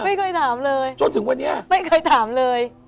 ไม่เคยถามเลยจนถึงวันนี้ไม่เคยถามเลย